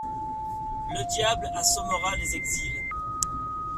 Le Diable assommera les exils.